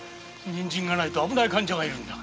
人参がないと危ない患者がいるのだ。